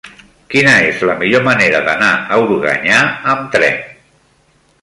Quina és la millor manera d'anar a Organyà amb tren?